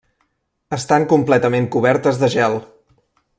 Estan completament cobertes de gel.